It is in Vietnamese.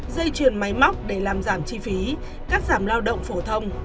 dây chuyền máy móc để làm giảm chi phí cắt giảm lao động phổ thông